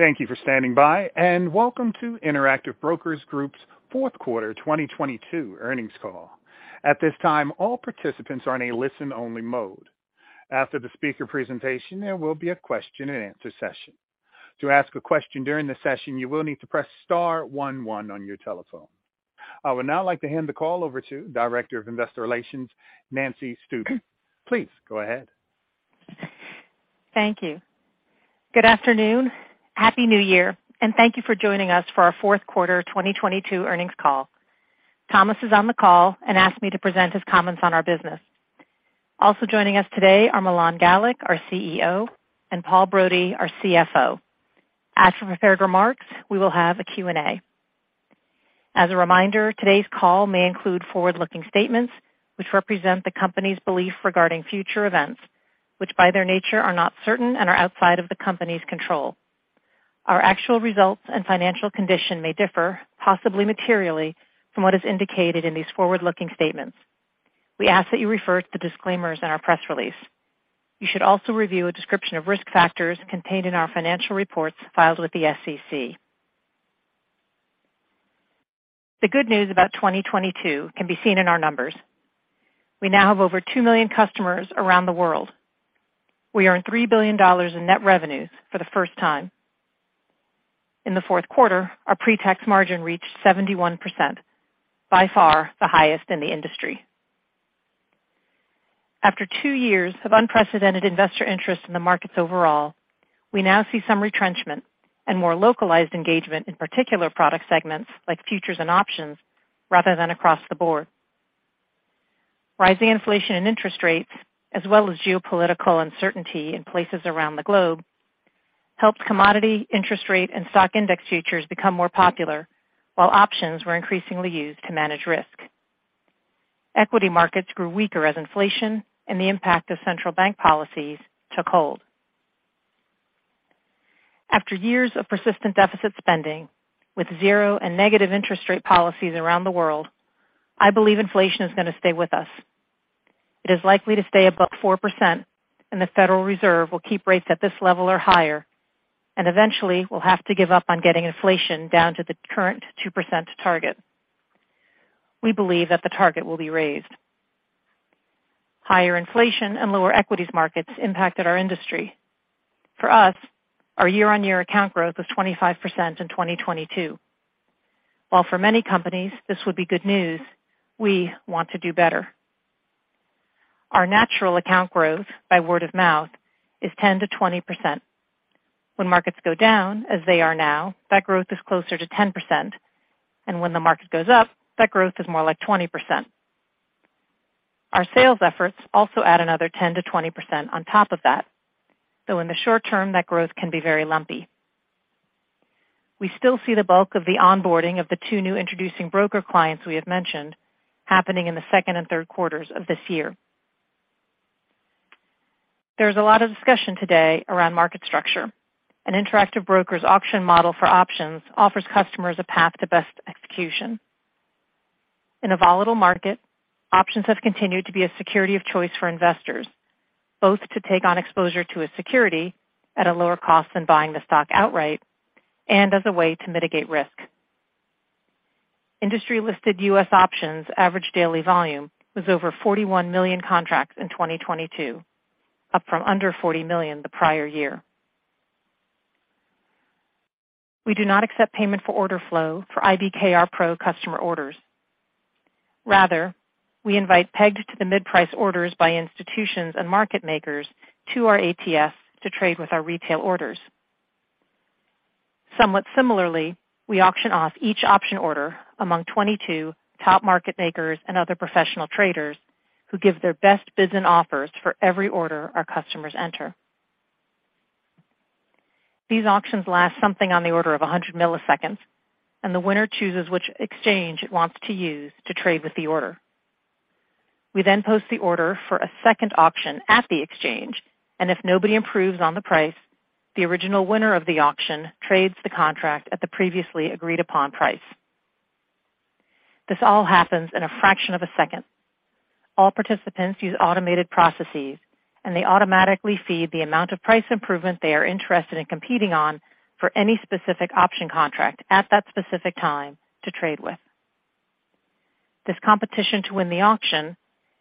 Thank you for standing by, and welcome to Interactive Brokers Group's fourth quarter 2022 earnings call. At this time, all participants are in a listen-only mode. After the speaker presentation, there will be a question and answer session. To ask a question during the session, you will need to press star one one on your telephone. I would now like to hand the call over to Director of Investor Relations, Nancy Stuebe. Please go ahead. Thank you. Good afternoon, happy New Year, and thank you for joining us for our fourth quarter 2022 earnings call. Thomas is on the call and asked me to present his comments on our business. Also joining us today are Milan Galik, our CEO, and Paul Brody, our CFO. As for prepared remarks, we will have a Q&A. As a reminder, today's call may include forward-looking statements which represent the company's belief regarding future events, which by their nature are not certain and are outside of the company's control. Our actual results and financial condition may differ, possibly materially, from what is indicated in these forward-looking statements. We ask that you refer to disclaimers in our press release. You should also review a description of risk factors contained in our financial reports filed with the SEC. The good news about 2022 can be seen in our numbers. We now have over 2 million customers around the world. We are in $3 billion in net revenues for the first time. In the fourth quarter, our pre-tax margin reached 71%, by far the highest in the industry. After two years of unprecedented investor interest in the markets overall, we now see some retrenchment and more localized engagement in particular product segments like futures and options rather than across the board. Rising inflation and interest rates, as well as geopolitical uncertainty in places around the globe, helped commodity interest rate and stock index futures become more popular, while options were increasingly used to manage risk. Equity markets grew weaker as inflation and the impact of central bank policies took hold. After years of persistent deficit spending with zero and negative interest rate policies around the world, I believe inflation is going to stay with us. It is likely to stay above 4%, and the Federal Reserve will keep rates at this level or higher, and eventually will have to give up on getting inflation down to the current 2% target. We believe that the target will be raised. Higher inflation and lower equities markets impacted our industry. For us, our year-on-year account growth was 25% in 2022. While for many companies this would be good news, we want to do better. Our natural account growth by word of mouth is 10%-20%. When markets go down, as they are now, that growth is closer to 10%. When the market goes up, that growth is more like 20%. Our sales efforts also add another 10%-20% on top of that, though in the short term that growth can be very lumpy. We still see the bulk of the onboarding of the two new introducing broker clients we have mentioned happening in the second and third quarters of this year. There's a lot of discussion today around market structure, and Interactive Brokers auction model for options offers customers a path to best execution. In a volatile market, options have continued to be a security of choice for investors, both to take on exposure to a security at a lower cost than buying the stock outright and as a way to mitigate risk. Industry-listed U.S. options average daily volume was over 41 million contracts in 2022, up from under 40 million the prior year. We do not accept payment for order flow for IBKR Pro customer orders. Rather, we invite pegged to the mid-price orders by institutions and market makers to our ATS to trade with our retail orders. Somewhat similarly, we auction off each option order among 22 top market makers and other professional traders who give their best bids and offers for every order our customers enter. These auctions last something on the order of 100 milliseconds. The winner chooses which exchange it wants to use to trade with the order. We then post the order for a second auction at the exchange. If nobody improves on the price, the original winner of the auction trades the contract at the previously agreed upon price. This all happens in a fraction of a second. All participants use automated processes. They automatically feed the amount of price improvement they are interested in competing on for any specific option contract at that specific time to trade with. This competition to win the auction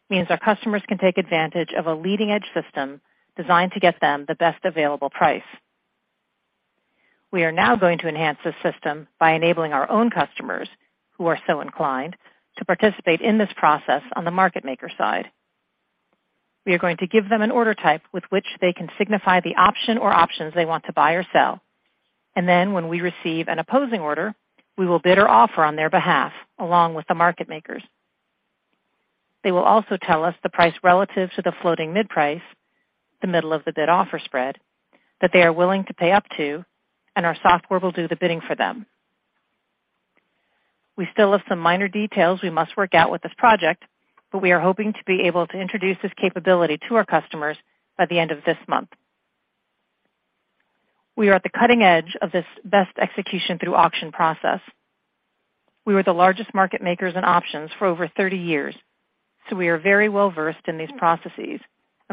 means our customers can take advantage of a leading-edge system designed to get them the best available price. We are now going to enhance this system by enabling our own customers who are so inclined to participate in this process on the market maker side. We are going to give them an order type with which they can signify the option or options they want to buy or sell. When we receive an opposing order, we will bid or offer on their behalf along with the market makers. They will also tell us the price relative to the floating mid-price, the middle of the bid offer spread, that they are willing to pay up to, and our software will do the bidding for them. We still have some minor details we must work out with this project. We are hoping to be able to introduce this capability to our customers by the end of this month. We are at the cutting edge of this best execution through auction process. We were the largest market makers in options for over 30 years. We are very well-versed in these processes.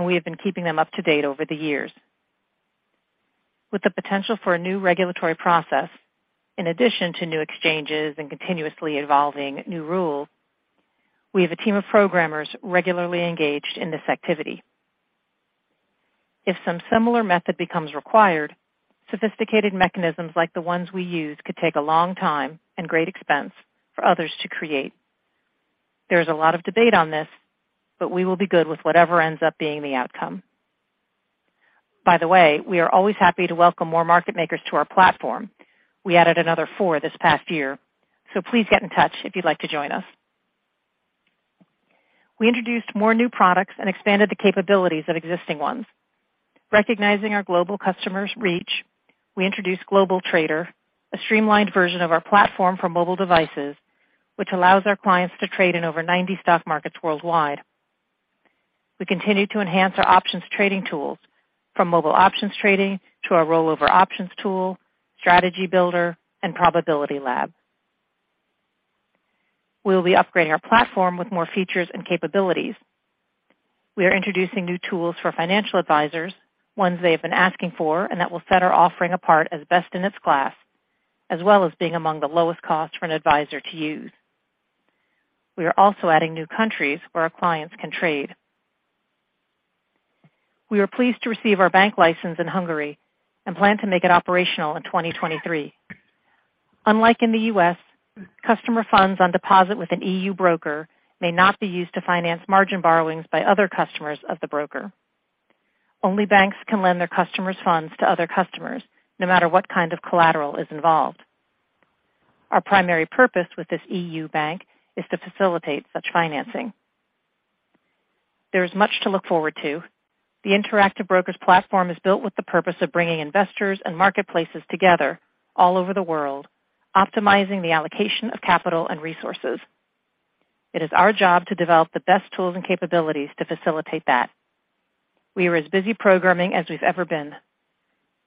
We have been keeping them up to date over the years. With the potential for a new regulatory process, in addition to new exchanges and continuously evolving new rules, we have a team of programmers regularly engaged in this activity. If some similar method becomes required, sophisticated mechanisms like the ones we use could take a long time and great expense for others to create. There's a lot of debate on this. We will be good with whatever ends up being the outcome. By the way, we are always happy to welcome more market makers to our platform. We added another four this past year, so please get in touch if you'd like to join us. We introduced more new products and expanded the capabilities of existing ones. Recognizing our global customers' reach, we introduced GlobalTrader, a streamlined version of our platform for mobile devices, which allows our clients to trade in over 90 stock markets worldwide. We continue to enhance our options trading tools from mobile options trading to our Rollover Options tool, Strategy Builder and Probability Lab. We will be upgrading our platform with more features and capabilities. We are introducing new tools for financial advisors, ones they have been asking for, and that will set our offering apart as best in its class, as well as being among the lowest cost for an advisor to use. We are also adding new countries where our clients can trade. We are pleased to receive our bank license in Hungary and plan to make it operational in 2023. Unlike in the U.S., customer funds on deposit with an E.U. broker may not be used to finance margin borrowings by other customers of the broker. Only banks can lend their customers' funds to other customers, no matter what kind of collateral is involved. Our primary purpose with this E.U. bank is to facilitate such financing. There is much to look forward to. The Interactive Brokers platform is built with the purpose of bringing investors and marketplaces together all over the world, optimizing the allocation of capital and resources. It is our job to develop the best tools and capabilities to facilitate that. We are as busy programming as we've ever been.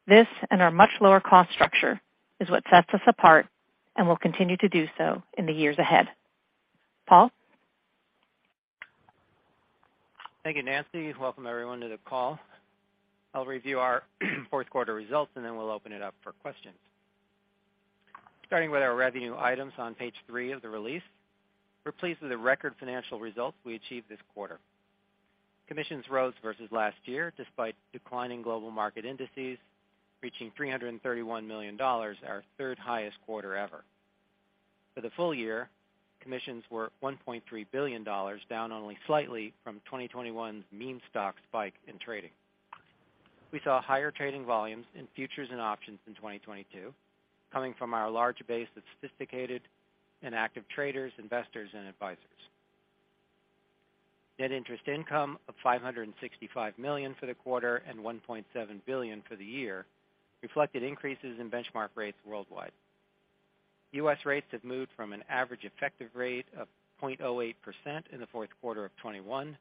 This, and our much lower cost structure, is what sets us apart and will continue to do so in the years ahead. Paul? Thank you, Nancy. Welcome, everyone, to the call. I'll review our fourth quarter results. We'll open it up for questions. Starting with our revenue items on page three of the release, we're pleased with the record financial results we achieved this quarter. Commissions rose versus last year despite declining global market indices, reaching $331 million, our third highest quarter ever. For the full year, commissions were $1.3 billion, down only slightly from 2021's meme stock spike in trading. We saw higher trading volumes in futures and options in 2022 coming from our large base of sophisticated and active traders, investors, and advisors. Net interest income of $565 million for the quarter and $1.7 billion for the year reflected increases in benchmark rates worldwide. U.S. rates have moved from an average effective rate of 0.08% in the fourth quarter of 2021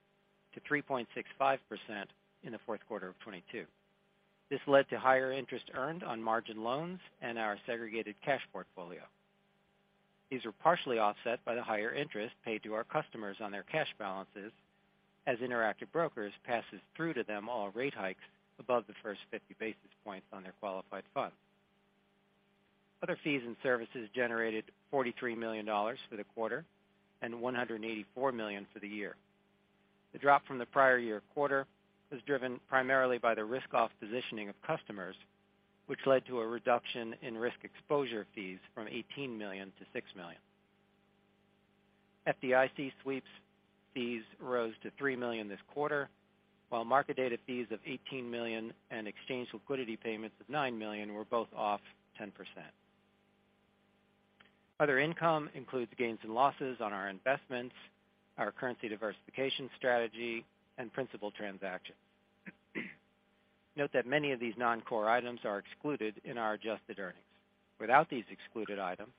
to 3.65% in the fourth quarter of 2022. This led to higher interest earned on margin loans and our segregated cash portfolio. These were partially offset by the higher interest paid to our customers on their cash balances as Interactive Brokers passes through to them all rate hikes above the first 50 basis points on their qualified funds. Other fees and services generated $43 million for the quarter and $184 million for the year. The drop from the prior year quarter was driven primarily by the risk-off positioning of customers, which led to a reduction in risk exposure fees from $18 million to $6 million. FDIC sweeps fees rose to $3 million this quarter, while market data fees of $18 million and exchange liquidity payments of $9 million were both off 10%. Other income includes gains and losses on our investments, our currency diversification strategy, and principal transactions. Note that many of these non-core items are excluded in our adjusted earnings. Without these excluded items,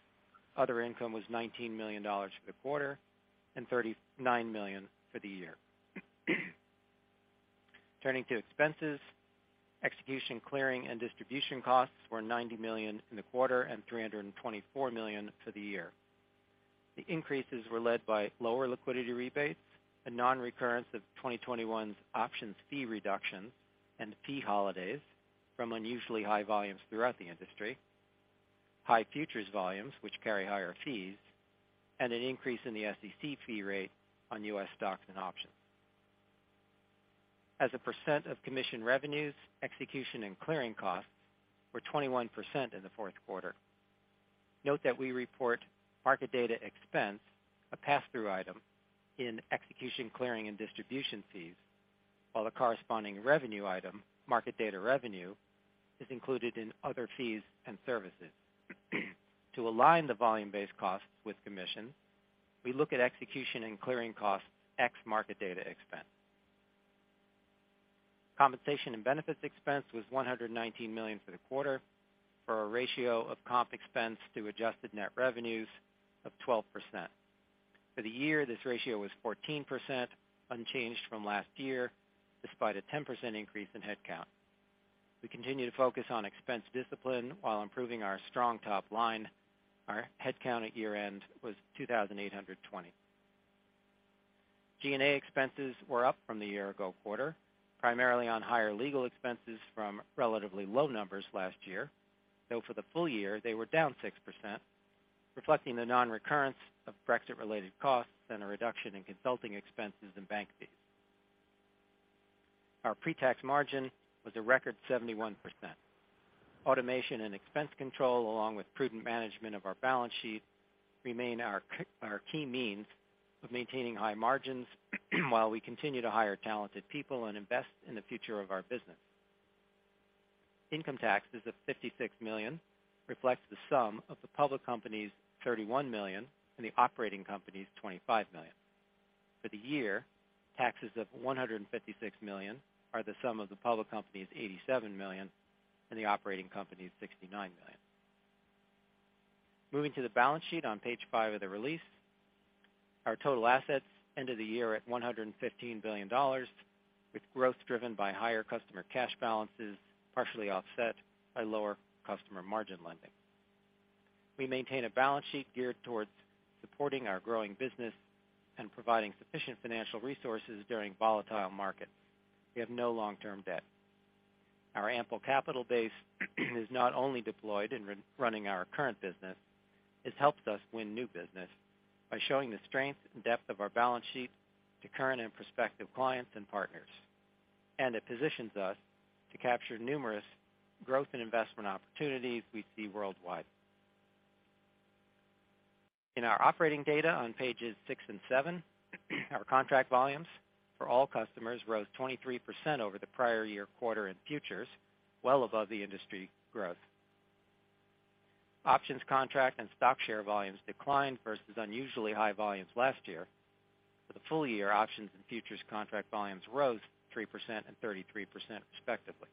other income was $19 million for the quarter and $39 million for the year. Turning to expenses, execution, clearing, and distribution costs were $90 million in the quarter and $324 million for the year. The increases were led by lower liquidity rebates, a non-recurrence of 2021's options fee reductions and fee holidays from unusually high volumes throughout the industry, high futures volumes which carry higher fees, and an increase in the SEC fee rate on U.S. stocks and options. As a percent of commission revenues, execution and clearing costs were 21% in the fourth quarter. Note that we report market data expense, a pass-through item, in execution, clearing, and distribution fees, while the corresponding revenue item, market data revenue, is included in other fees and services. To align the volume-based costs with commissions, we look at execution and clearing costs ex market data expense. Compensation and benefits expense was $119 million for the quarter for a ratio of comp expense to adjusted net revenues of 12%. For the year, this ratio was 14%, unchanged from last year, despite a 10% increase in headcount. We continue to focus on expense discipline while improving our strong top line. Our headcount at year-end was 2,820. G&A expenses were up from the year ago quarter, primarily on higher legal expenses from relatively low numbers last year, though for the full year they were down 6%, reflecting the non-recurrence of Brexit-related costs and a reduction in consulting expenses and bank fees. Our pre-tax margin was a record 71%. Automation and expense control, along with prudent management of our balance sheet, remain our key means of maintaining high margins while we continue to hire talented people and invest in the future of our business. Income taxes of $56 million reflects the sum of the public company's $31 million and the operating company's $25 million. For the year, taxes of $156 million are the sum of the public company's $87 million and the operating company's $69 million. Moving to the balance sheet on page 5 of the release. Our total assets ended the year at $115 billion, with growth driven by higher customer cash balances, partially offset by lower customer margin lending. We maintain a balance sheet geared towards supporting our growing business and providing sufficient financial resources during volatile markets. We have no long-term debt. Our ample capital base is not only deployed in running our current business, it's helped us win new business by showing the strength and depth of our balance sheet to current and prospective clients and partners. It positions us to capture numerous growth and investment opportunities we see worldwide. In our operating data on pages six and seven, our contract volumes for all customers rose 23% over the prior-year quarter in futures, well above the industry growth. Options contract and stock share volumes declined versus unusually high volumes last year. For the full year, options and futures contract volumes rose 3% and 33% respectively.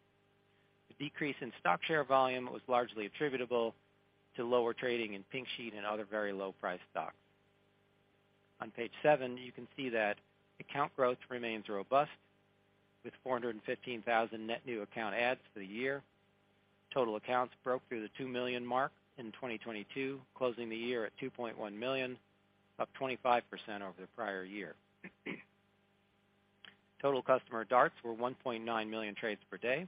The decrease in stock share volume was largely attributable to lower trading in Pink Sheet and other very low-priced stocks. On page seven, you can see that account growth remains robust with 415,000 net new account adds for the year. Total accounts broke through the 2 million mark in 2022, closing the year at 2.1 million, up 25% over the prior year. Total customer DARTs were 1.9 million trades per day,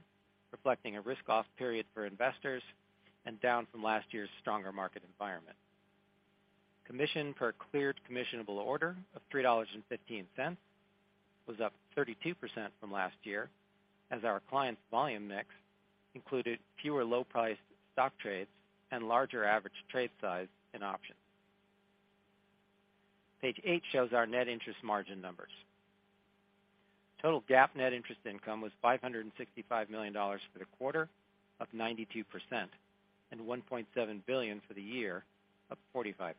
reflecting a risk-off period for investors and down from last year's stronger market environment. Commission per cleared commissionable order of $3.15 was up 32% from last year, as our clients' volume mix included fewer low-priced stock trades and larger average trade size in options. Page 8 shows our net interest margin numbers. Total GAAP net interest income was $565 million for the quarter of 92% and $1.7 billion for the year of 45%.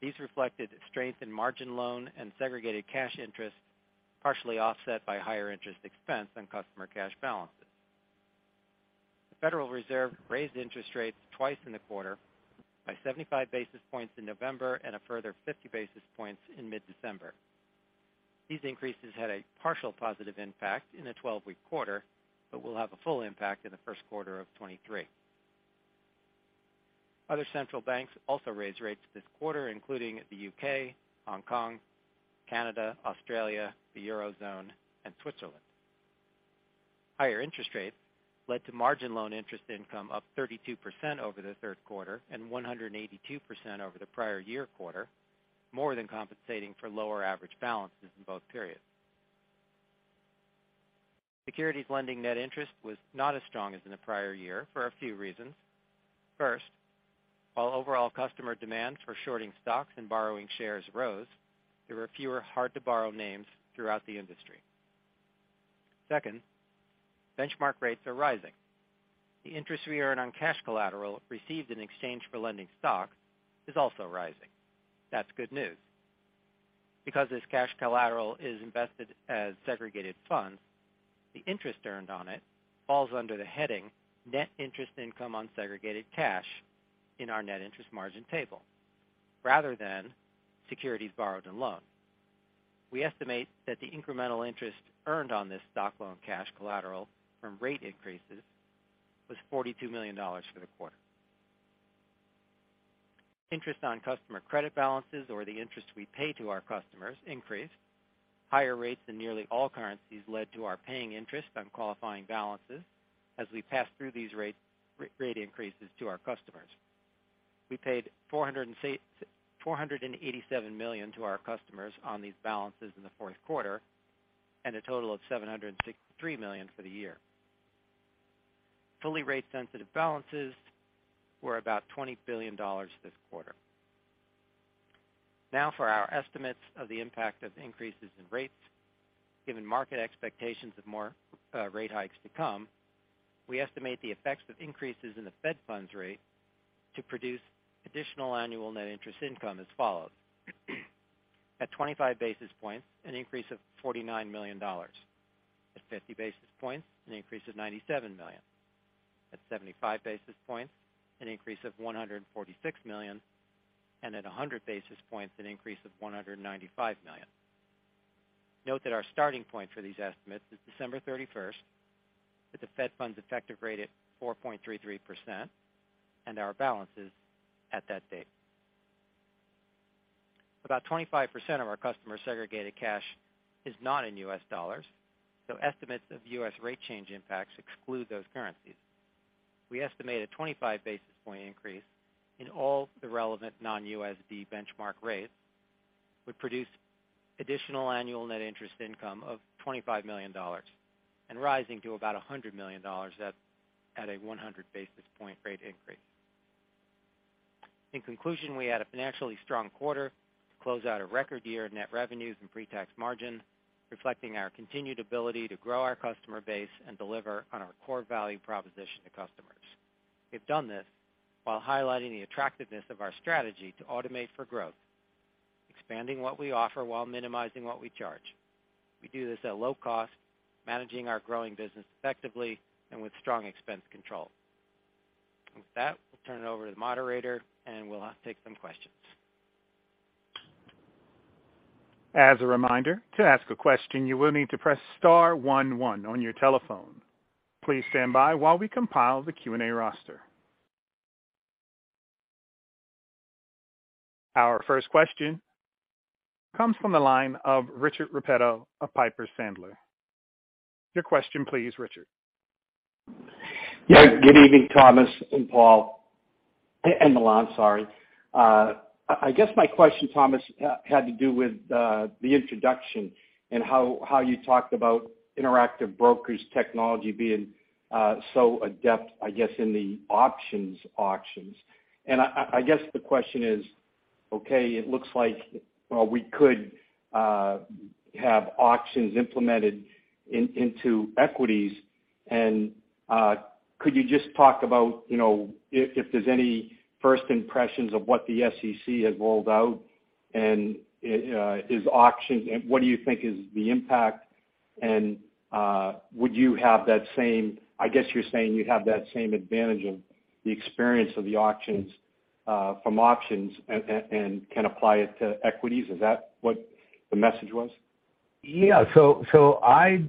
These reflected strength in margin loan and segregated cash interest, partially offset by higher interest expense on customer cash balances. The Federal Reserve raised interest rates twice in the quarter by 75 basis points in November and a further 50 basis points in mid-December. These increases had a partial positive impact in the 12-week quarter but will have a full impact in the first quarter of 2023. Other central banks also raised rates this quarter, including the U.K., Hong Kong, Canada, Australia, the Eurozone, and Switzerland. Higher interest rates led to margin loan interest income up 32% over the third quarter and 182% over the prior year quarter, more than compensating for lower average balances in both periods. Securities lending net interest was not as strong as in the prior year for a few reasons. First, while overall customer demand for shorting stocks and borrowing shares rose, there were fewer hard-to-borrow names throughout the industry. Second, benchmark rates are rising. The interest we earn on cash collateral received in exchange for lending stock is also rising. That's good news. Because this cash collateral is invested as segregated funds, the interest earned on it falls under the heading Net interest income on segregated cash in our net interest margin table rather than securities borrowed and loaned. We estimate that the incremental interest earned on this stock loan cash collateral from rate increases was $42 million for the quarter. Interest on customer credit balances or the interest we pay to our customers increased. Higher rates in nearly all currencies led to our paying interest on qualifying balances as we passed through these rate increases to our customers. We paid $487 million to our customers on these balances in the fourth quarter, and a total of $763 million for the year. Fully rate sensitive balances were about $20 billion this quarter. For our estimates of the impact of increases in rates. Given market expectations of more rate hikes to come, we estimate the effects of increases in the Fed funds rate to produce additional annual net interest income as follows: at 25 basis points, an increase of $49 million, at 50 basis points, an increase of $97 million. At 75 basis points, an increase of $146 million, and at 100 basis points an increase of $195 million. Note that our starting point for these estimates is December 31st, with the Fed funds effective rate at 4.33% and our balances at that date. About 25% of our customer segregated cash is not in US dollars, so estimates of US rate change impacts exclude those currencies. We estimate a 25 basis point increase in all the relevant non-USD benchmark rates would produce additional annual net interest income of $25 million and rising to about $100 million at a 100 basis point rate increase. In conclusion, we had a financially strong quarter to close out a record year of net revenues and pre-tax margin, reflecting our continued ability to grow our customer base and deliver on our core value proposition to customers. We've done this while highlighting the attractiveness of our strategy to automate for growth, expanding what we offer while minimizing what we charge. We do this at low cost, managing our growing business effectively and with strong expense control. With that, we'll turn it over to the moderator, and we'll take some questions. As a reminder, to ask a question, you will need to press star one one on your telephone. Please stand by while we compile the Q&A roster. Our first question comes from the line of Richard Repetto of Piper Sandler. Your question please, Richard. Yeah, good evening, Thomas and Paul. And Milan, sorry. I guess my question, Thomas, had to do with the introduction and how you talked about Interactive Brokers technology being so adept, I guess, in the options auctions. I guess, the question is, okay, it looks like, well, we could have auctions implemented into equities and could you just talk about, you know, if there's any first impressions of what the SEC has rolled out? What do you think is the impact? I guess you're saying you'd have that same advantage of the experience of the auctions from auctions and can apply it to equities. Is that what the message was? I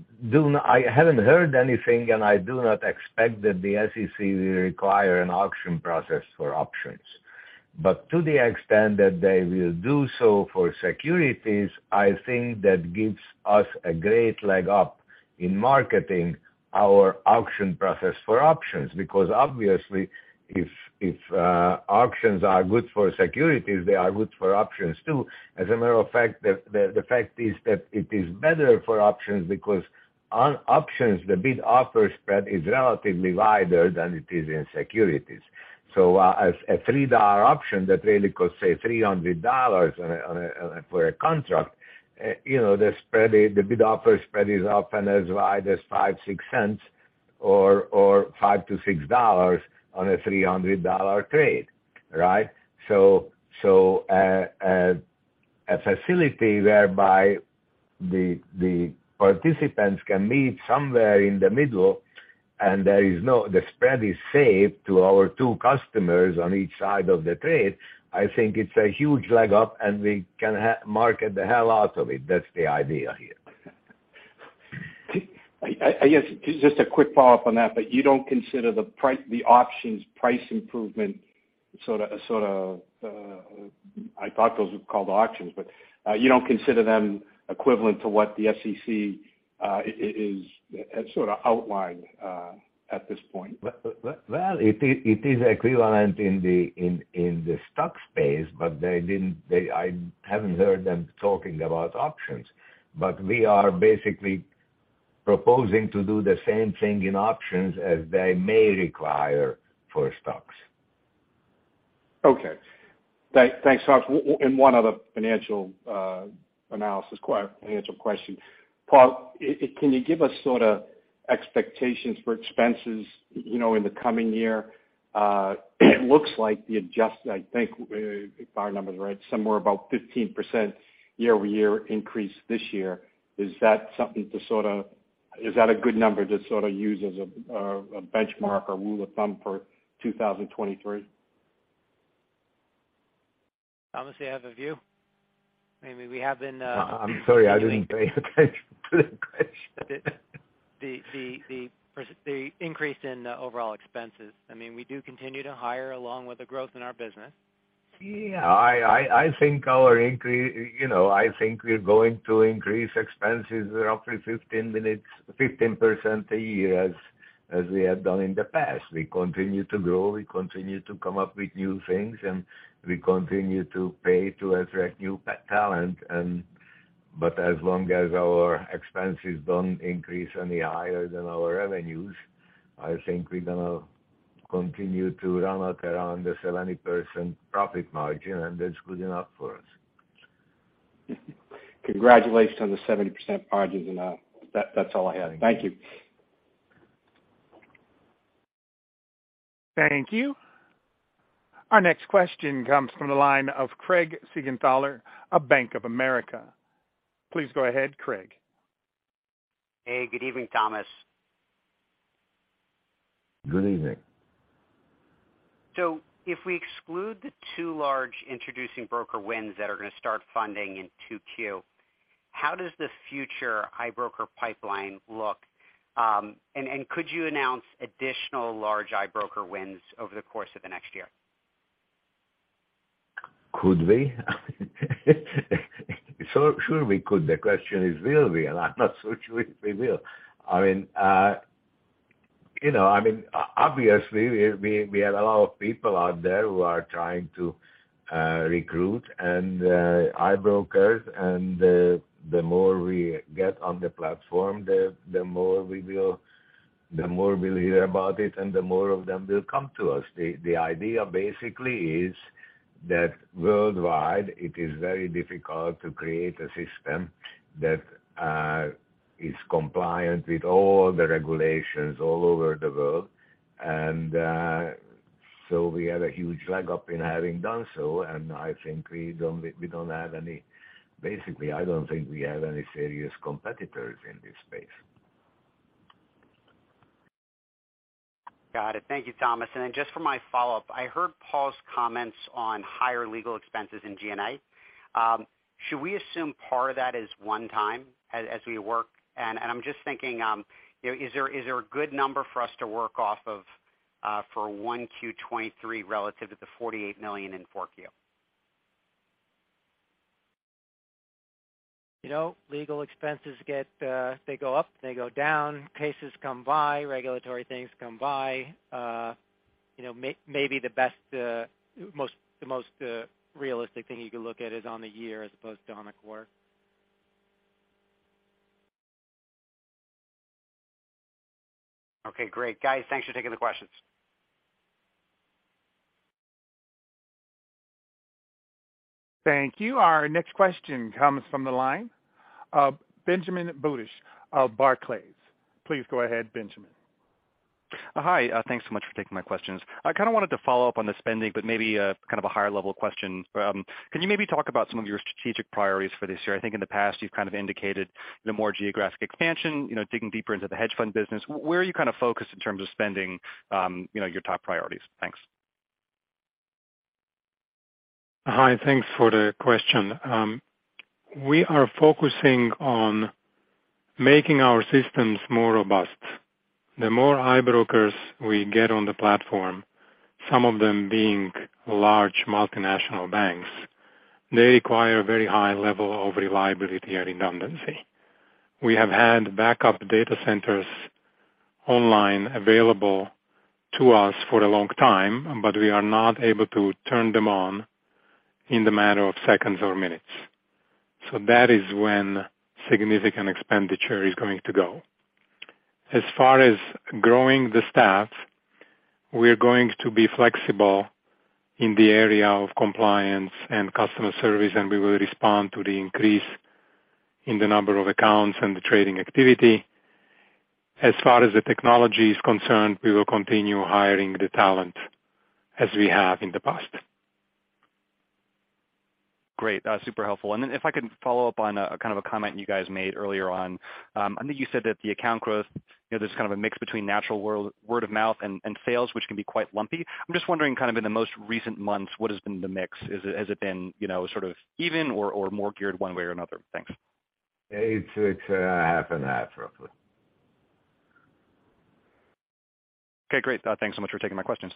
haven't heard anything, and I do not expect that the SEC will require an auction process for options. To the extent that they will do so for securities, I think that gives us a great leg up in marketing our auction process for options, because obviously if auctions are good for securities, they are good for options, too. As a matter of fact, the fact is that it is better for options because on options the bid-offer spread is relatively wider than it is in securities. A $3 option that really costs, say, $300 for a contract, you know, the bid-offer spread is often as wide as $0.05-$0.06 or $5-$6 on a $300 trade, right? A facility whereby the participants can meet somewhere in the middle and there is no the spread is safe to our two customers on each side of the trade, I think it's a huge leg up, and we can market the hell out of it. That's the idea here. I guess just a quick follow-up on that. You don't consider the options price improvement sorta, I thought those were called auctions, but you don't consider them equivalent to what the SEC is sorta outlined at this point? Well, it is equivalent in the stock space, but they didn't. I haven't heard them talking about options, but we are basically proposing to do the same thing in options as they may require for stocks. Okay. Thanks, Thomas. And one other financial analysis question. Paul, can you give us sorta expectations for expenses, you know, in the coming year? It looks like the adjust, I think, if our number's right, somewhere about 15% year-over-year increase this year. Is that a good number to sorta use as a benchmark or rule of thumb for 2023? Thomas, do you have a view? Maybe we have been... I'm sorry. I didn't pay attention to the question. The increase in overall expenses. I mean, we do continue to hire along with the growth in our business. Yeah. I think our increase, you know, I think we're going to increase expenses roughly 15% a year as we have done in the past. We continue to grow, we continue to come up with new things, and we continue to pay to attract new talent. As long as our expenses don't increase any higher than our revenues, I think we're gonna continue to run at around the 70% profit margin, and that's good enough for us. Congratulations on the 70% margins and, that's all I have. Thank you. Thank you. Our next question comes from the line of Craig Siegenthaler of Bank of America. Please go ahead, Craig. Hey, good evening, Thomas. Good evening. If we exclude the two large introducing broker wins that are gonna start funding in 2Q, how does the future iBroker pipeline look? And could you announce additional large iBroker wins over the course of the next year? Could we? Sure we could. The question is, will we? I'm not so sure if we will. I mean, you know, I mean, obviously, we had a lot of people out there who are trying to recruit, and IBrokers and the more we get on the platform, the more we'll hear about it, and the more of them will come to us. The idea basically is that worldwide, it is very difficult to create a system that is compliant with all the regulations all over the world. We have a huge leg up in having done so, and I think basically, I don't think we have any serious competitors in this space. Got it. Thank you, Thomas. Just for my follow-up, I heard Paul's comments on higher legal expenses in G&A. Should we assume part of that is one time as we work? I'm just thinking, you know, is there a good number for us to work off of for 1Q23 relative to the $48 million in 4Q? You know, legal expenses get, they go up, they go down, cases come by, regulatory things come by. You know, maybe the best, the most realistic thing you can look at is on the year as opposed to on the core. Okay, great. Guys, thanks for taking the questions. Thank you. Our next question comes from the line of Benjamin Budish of Barclays. Please go ahead, Benjamin. Hi. Thanks so much for taking my questions. I kind of wanted to follow up on the spending, maybe a kind of a higher level question. Can you maybe talk about some of your strategic priorities for this year? I think in the past you've kind of indicated the more geographic expansion, you know, digging deeper into the hedge fund business. Where are you kind of focused in terms of spending, you know, your top priorities? Thanks. Hi. Thanks for the question. We are focusing on making our systems more robust. The more iBrokers we get on the platform, some of them being large multinational banks, they require very high level of reliability and redundancy. We have had backup data centers online available to us for a long time, but we are not able to turn them on in the matter of seconds or minutes. That is when significant expenditure is going to go. As far as growing the staff, we're going to be flexible in the area of compliance and customer service, and we will respond to the increase in the number of accounts and the trading activity. As far as the technology is concerned, we will continue hiring the talent as we have in the past. Great. super helpful. If I could follow up on a, kind of a comment you guys made earlier on. I think you said that the account growth, you know, there's kind of a mix between natural word of mouth and sales, which can be quite lumpy. I'm just wondering kind of in the most recent months, what has been the mix? Has it been, you know, sort of even or more geared one way or another? Thanks. It's half and half, roughly. Okay, great. Thanks so much for taking my questions.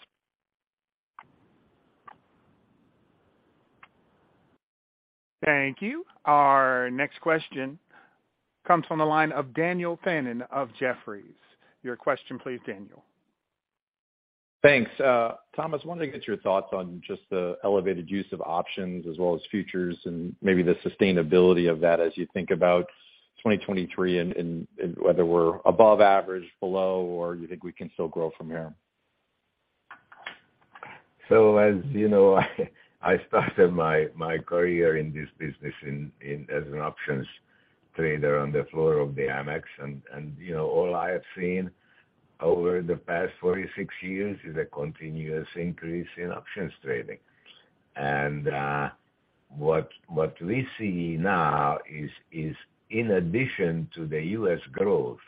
Thank you. Our next question comes from the line of Daniel Fannon of Jefferies. Your question please, Daniel. Thanks. Thomas, wanted to get your thoughts on just the elevated use of options as well as futures and maybe the sustainability of that as you think about 2023 and whether we're above average, below, or you think we can still grow from here? As you know, I started my career in this business as an options trader on the floor of the Amex. You know, all I have seen over the past 46 years is a continuous increase in options trading. What we see now is in addition to the US growth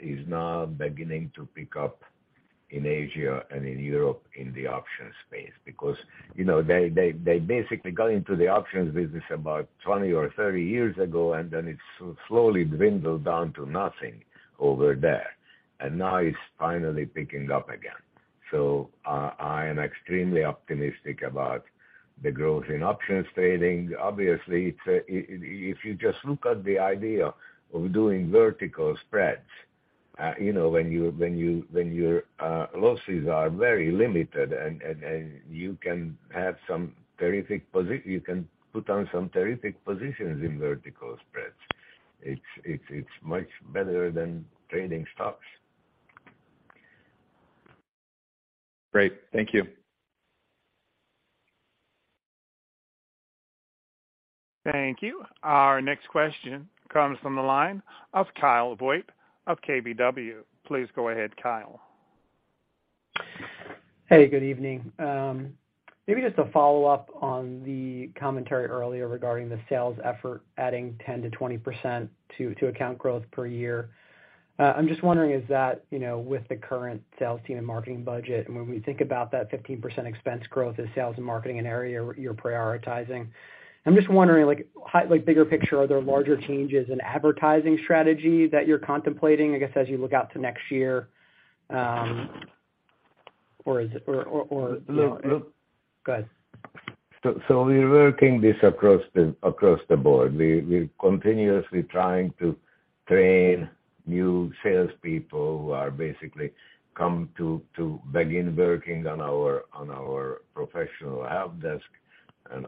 is now beginning to pick up in Asia and in Europe in the options space. You know, they basically got into the options business about 20 or 30 years ago, and then it slowly dwindled down to nothing over there. Now it's finally picking up again. I am extremely optimistic about the growth in options trading. Obviously, it's... If you just look at the idea of doing vertical spreads, you know, when your losses are very limited and you can have some terrific positions in vertical spreads. It's much better than trading stocks. Great. Thank you. Thank you. Our next question comes from the line of Kyle Voigt of KBW. Please go ahead, Kyle. Hey, good evening. Maybe just a follow-up on the commentary earlier regarding the sales effort adding 10%-20% to account growth per year. I'm just wondering is that, you know, with the current sales team and marketing budget, and when we think about that 15% expense growth in sales and marketing area you're prioritizing. I'm just wondering, like, bigger picture, are there larger changes in advertising strategy that you're contemplating, I guess, as you look out to next year, or, you know... Look. Go ahead. We're working this across the board. We're continuously trying to train new salespeople who are basically come to begin working on our professional help desk.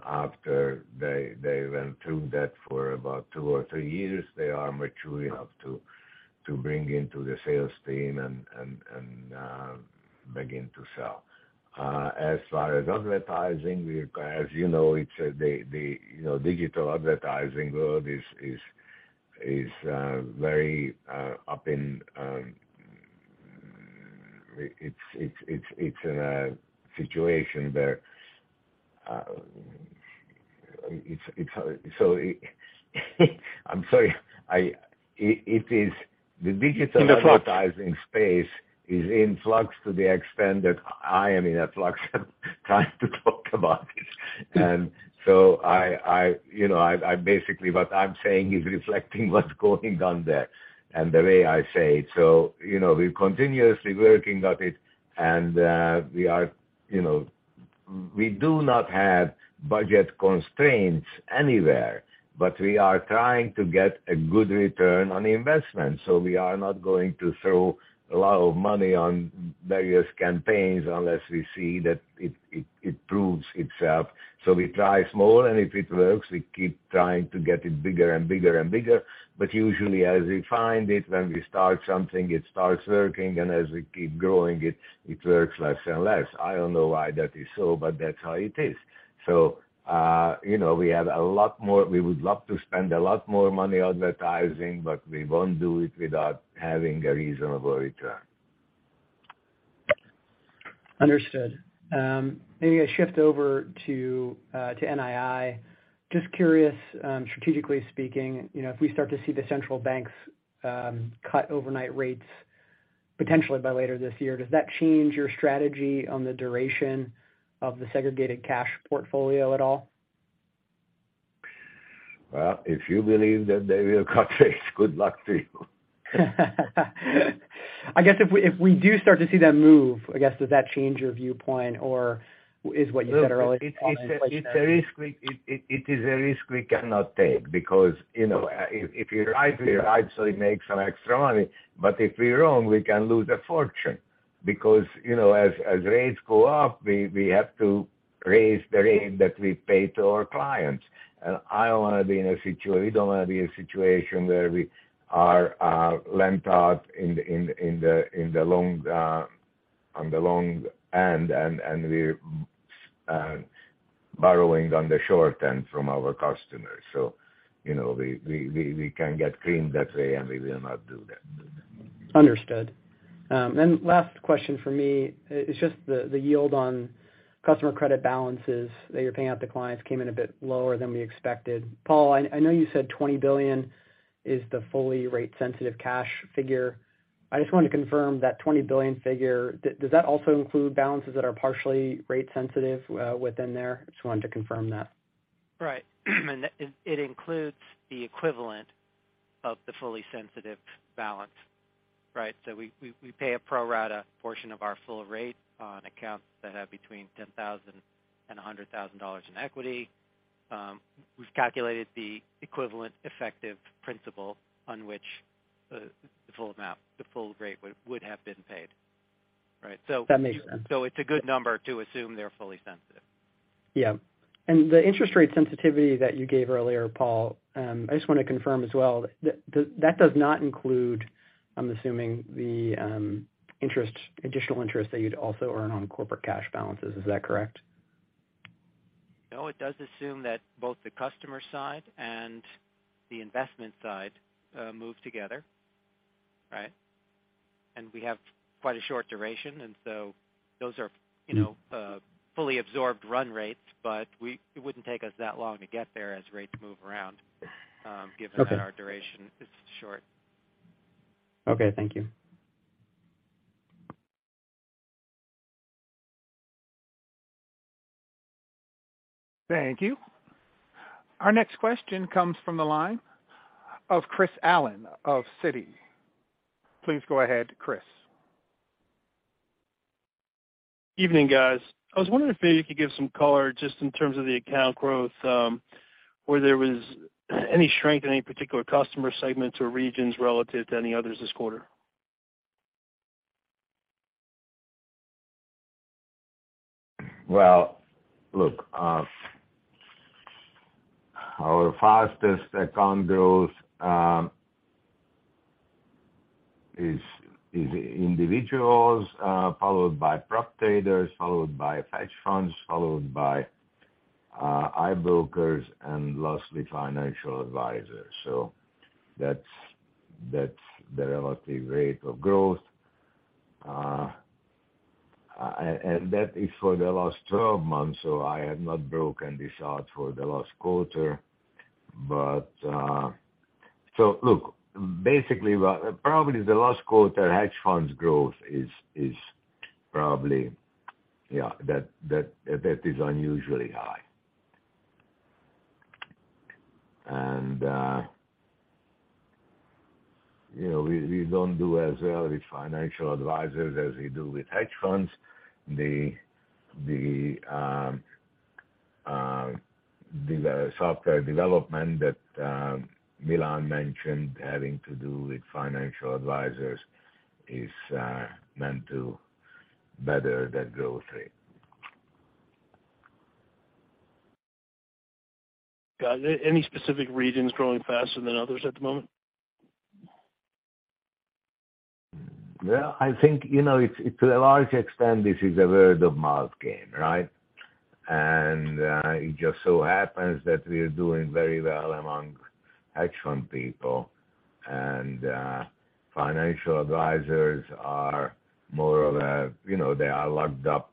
After they went through that for about two or three years, they are mature enough to bring into the sales team and begin to sell. As far as advertising, as you know, it's, you know, digital advertising world is very up in. It's in a situation where it's. I'm sorry. It is. In the flux.... advertising space is in flux to the extent that I am in a flux trying to talk about this. I, you know, I basically what I'm saying is reflecting what's going on there and the way I say it. You know, we're continuously working at it and we are, you know. We do not have budget constraints anywhere, but we are trying to get a good return on investment. We are not going to throw a lot of money on various campaigns unless we see that it proves itself. We try small, and if it works, we keep trying to get it bigger and bigger and bigger. Usually, as we find it, when we start something, it starts working, and as we keep growing, it works less and less. I don't know why that is so, but that's how it is. You know, We would love to spend a lot more money advertising, but we won't do it without having a reasonable return. Understood. Maybe a shift over to NII. Just curious, strategically speaking, you know, if we start to see the central banks cut overnight rates potentially by later this year, does that change your strategy on the duration of the segregated cash portfolio at all? Well, if you believe that they will cut rates, good luck to you. I guess if we do start to see them move, I guess, does that change your viewpoint or is what you said earlier- Look, it is a risk we cannot take because, you know, if you're right, we make some extra money. If we're wrong, we can lose a fortune. You know, as rates go up, we have to raise the rate that we pay to our clients. We don't wanna be a situation where we are lent out in the long on the long end, and we're borrowing on the short end from our customers. You know, we can get creamed that way, and we will not do that. Understood. Last question for me is just the yield on customer credit balances that you're paying out to clients came in a bit lower than we expected. Paul, I know you said $20 billion is the fully rate-sensitive cash figure. I just wanted to confirm that $20 billion figure. Does that also include balances that are partially rate sensitive within there? Just wanted to confirm that. Right. It includes the equivalent of the fully sensitive balance, right? We pay a pro rata portion of our full rate on accounts that have between $10,000 and $100,000 in equity. We've calculated the equivalent effective principal on which the full amount, the full rate would have been paid, right? That makes sense. It's a good number to assume they're fully sensitive. Yeah. The interest rate sensitivity that you gave earlier, Paul, I just wanna confirm as well, that does not include, I'm assuming, the interest, additional interest that you'd also earn on corporate cash balances. Is that correct? No, it does assume that both the customer side and the investment side move together, right? We have quite a short duration, and so those are, you know, fully absorbed run rates. It wouldn't take us that long to get there as rates move around, given. Okay. That our duration is short. Okay. Thank you. Thank you. Our next question comes from the line of Christopher Allen of Citi. Please go ahead, Chris. Evening, guys. I was wondering if maybe you could give some color just in terms of the account growth, where there was any strength in any particular customer segments or regions relative to any others this quarter? Well, look, our fastest account growth, individuals, followed by prop traders, followed by hedge funds, followed by iBrokers and lastly financial advisors. That's the relative rate of growth. And that is for the last 12 months, so I have not broken this out for the last quarter. Look, basically, well, probably the last quarter hedge funds growth is probably unusually high. You know, we don't do as well with financial advisors as we do with hedge funds. The software development that Milan mentioned having to do with financial advisors is meant to better that growth rate. Got it. Any specific regions growing faster than others at the moment? Well, I think, you know, it's, to a large extent, this is a word of mouth game, right? It just so happens that we are doing very well among hedge fund people. Financial advisors are more or less, you know, they are locked up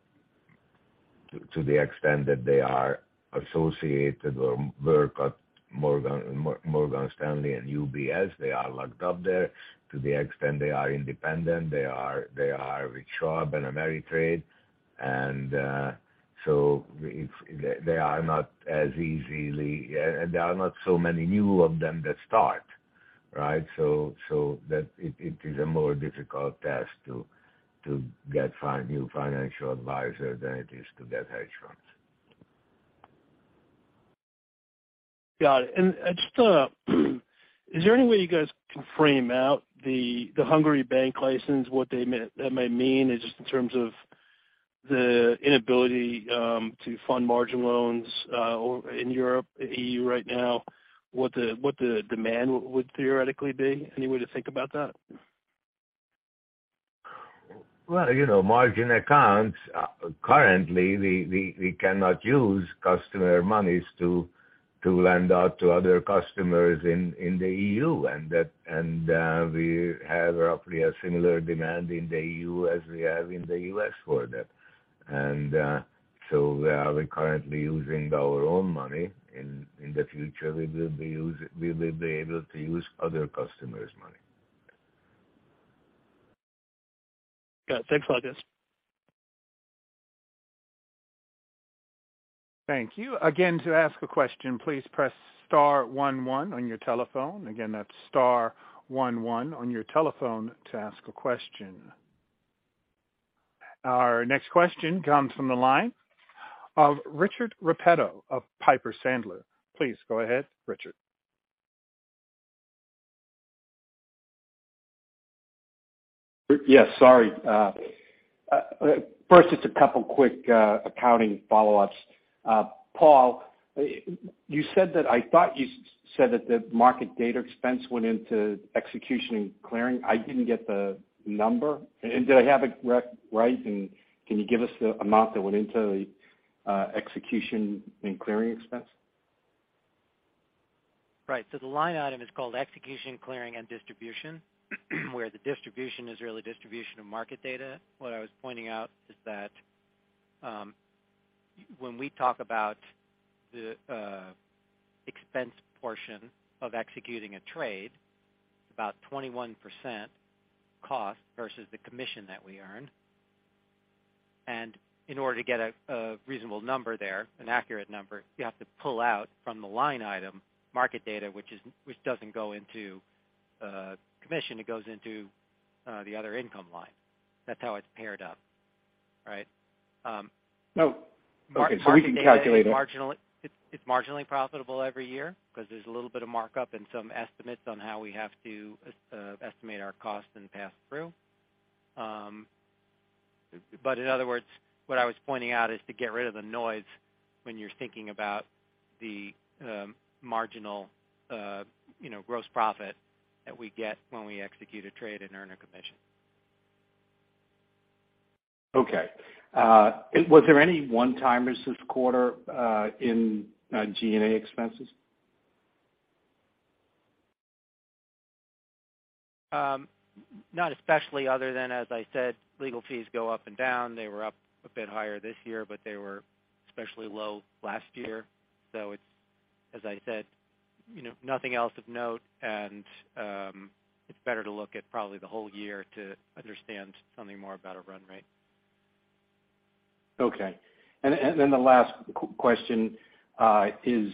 to the extent that they are associated or work at Morgan Stanley and UBS. They are locked up there. To the extent they are independent, they are with Schwab and Ameritrade. If they are not as easily, there are not so many new of them that start, right? That it is a more difficult task to get new financial advisor than it is to get hedge funds. Got it. Just, is there any way you guys can frame out the Hungary bank license, what that may mean just in terms of the inability to fund margin loans, or in Europe, EU right now? What the demand would theoretically be? Any way to think about that? Well, you know, margin accounts, currently, we cannot use customer monies to lend out to other customers in the EU. That, we have roughly a similar demand in the EU as we have in the US for that. So we are currently using our own money. In the future, we will be able to use other customers' money. Yeah. Thanks, August. Thank you. Again, to ask a question, please press star one one on your telephone. Again, that's star one one on your telephone to ask a question. Our next question comes from the line of Richard Repetto of Piper Sandler. Please go ahead, Richard. Yes, sorry. First, just a couple quick accounting follow-ups. Paul, you said that I thought you said that the market data expense went into execution and clearing. I didn't get the number. Did I have it right? Can you give us the amount that went into the execution and clearing expense? The line item is called execution, clearing and distribution, where the distribution is really distribution of market data. What I was pointing out is that, when we talk about the expense portion of executing a trade, about 21% cost versus the commission that we earn. In order to get a reasonable number there, an accurate number, you have to pull out from the line item, market data, which doesn't go into commission, it goes into the other income line. That's how it's paired up. Right? Oh, okay. We can calculate it. Marginally. It's marginally profitable every year because there's a little bit of markup and some estimates on how we have to estimate our costs and pass through. In other words, what I was pointing out is to get rid of the noise when you're thinking about the, you know, marginal gross profit that we get when we execute a trade and earn a commission. Okay. Was there any one-timers this quarter in GNA expenses? Not especially other than, as I said, legal fees go up and down. They were up a bit higher this year, but they were especially low last year. It's, as I said, you know, nothing else of note. It's better to look at probably the whole year to understand something more about a run rate. Okay. Then the last question is,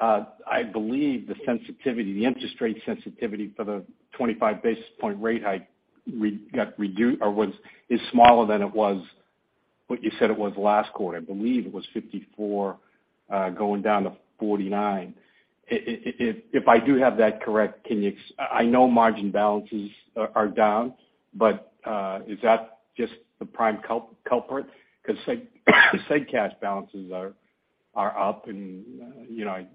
I believe the sensitivity, the interest rate sensitivity for the 25 basis point rate hike or was, is smaller than it was, what you said it was last quarter. I believe it was 54 going down to 49. If I do have that correct, can you I know margin balances are down, but is that just the prime culprit? 'Cause seg cash balances are up and, you know...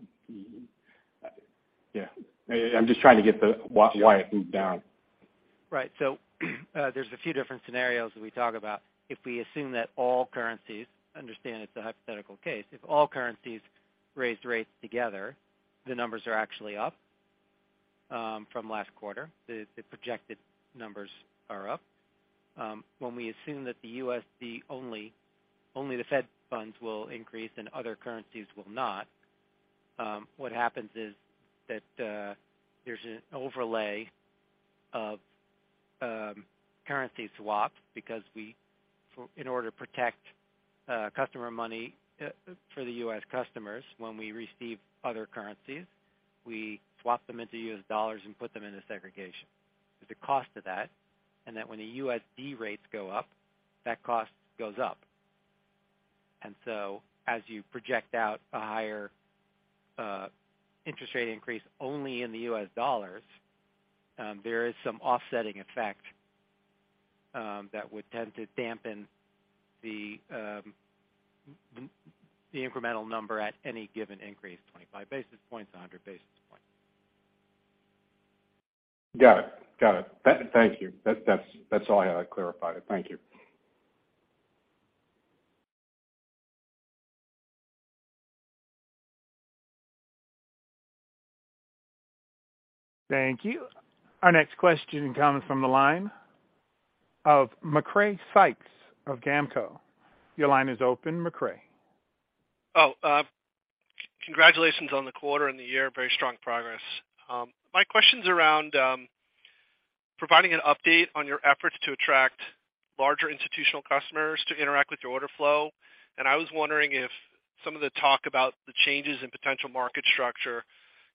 Yeah, I'm just trying to get the why it moved down. Right. There's a few different scenarios that we talk about. If we assume that all currencies, understand it's a hypothetical case, if all currencies raised rates together, the numbers are actually up, from last quarter. The projected numbers are up. When we assume that the USD only the Fed funds will increase and other currencies will not, what happens is that, there's an overlay of, currency swap because for in order to protect customer money for the US customers, when we receive other currencies, we swap them into US dollars and put them into segregation. There's a cost to that, and that when the USD rates go up, that cost goes up. As you project out a higher interest rate increase only in the US dollars, there is some offsetting effect that would tend to dampen the incremental number at any given increase, 25 basis points, 100 basis points. Got it. Got it. Thank you. That's all I had to clarify. Thank you. Thank you. Our next question comes from the line of Macrae Sykes of GAMCO. Your line is open, Macrae. Congratulations on the quarter and the year. Very strong progress. My question's around providing an update on your efforts to attract larger institutional customers to interact with your order flow. I was wondering if some of the talk about the changes in potential market structure,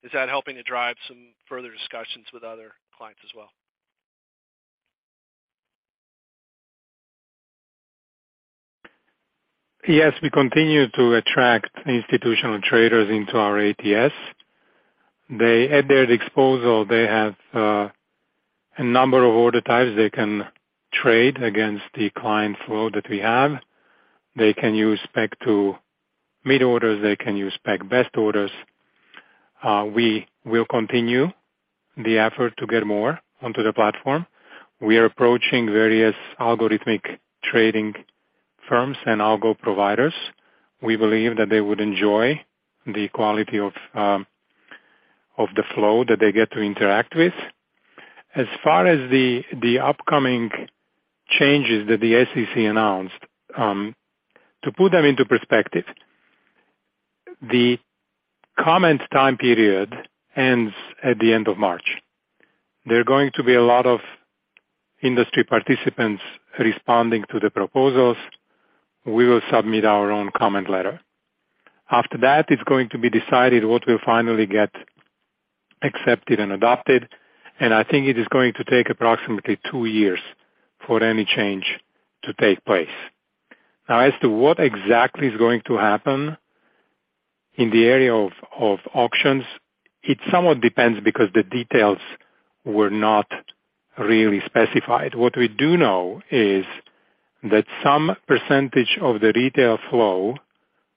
is that helping to drive some further discussions with other clients as well? Yes, we continue to attract institutional traders into our ATS. At their disposal, they have a number of order types they can trade against the client flow that we have. They can use peg to mid orders, they can use pegged best orders. We will continue the effort to get more onto the platform. We are approaching various algorithmic trading firms and algo providers. We believe that they would enjoy the quality of the flow that they get to interact with. As far as the upcoming changes that the SEC announced, to put them into perspective, the comment time period ends at the end of March. There are going to be a lot of industry participants responding to the proposals. We will submit our own comment letter. After that, it's going to be decided what will finally get accepted and adopted, and I think it is going to take approximately two years for any change to take place. Now, as to what exactly is going to happen in the area of auctions, it somewhat depends because the details were not really specified. What we do know is that some % of the retail flow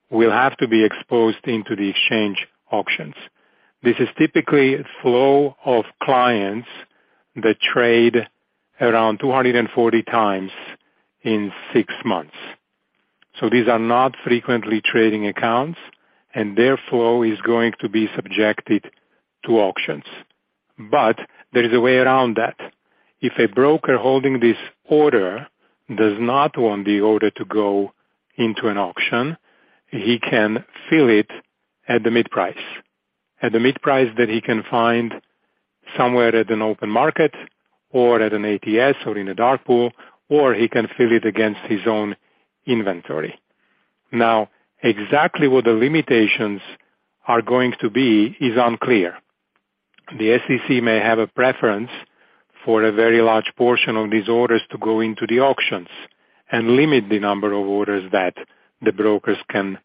will have to be exposed into the exchange auctions. This is typically flow of clients that trade around 240 times in six months. These are not frequently trading accounts, and their flow is going to be subjected to auctions. There is a way around that. If a broker holding this order does not want the order to go into an auction, he can fill it at the mid-price. At the mid-price that he can find somewhere at an open market or at an ATS or in a dark pool, or he can fill it against his own inventory. Exactly what the limitations are going to be is unclear. The SEC may have a preference for a very large portion of these orders to go into the auctions and limit the number of orders that the brokers can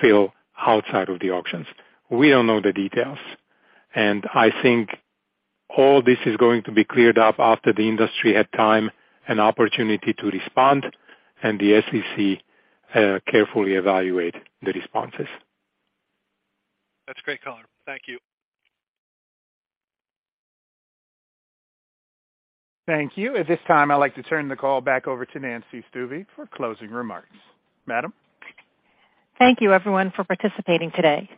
fill outside of the auctions. We don't know the details, and I think all this is going to be cleared up after the industry had time and opportunity to respond and the SEC carefully evaluate the responses. That's great color. Thank you. Thank you. At this time, I'd like to turn the call back over to Nancy Stuebe for closing remarks. Madam. Thank you, everyone, for participating today.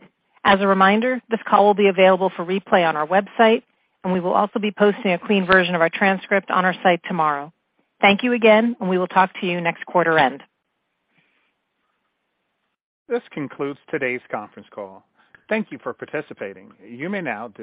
As a reminder, this call will be available for replay on our website. We will also be posting a clean version of our transcript on our site tomorrow. Thank you again. We will talk to you next quarter end. This concludes today's conference call. Thank you for participating. You may now disconnect.